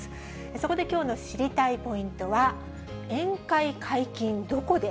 そこできょうの知りたいポイントは、宴会解禁どこで？